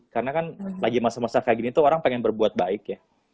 karena kan lagi masa masa kayak gini tuh orang pengen berbuat baik ya